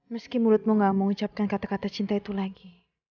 meski mulutmu ga mau ucapkan kata kata cinta itu lagi